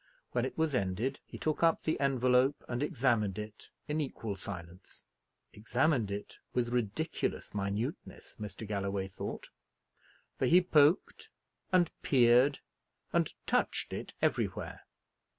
When it was ended, he took up the envelope, and examined it in equal silence; examined it with ridiculous minuteness, Mr. Galloway thought, for he poked, and peered, and touched it everywhere.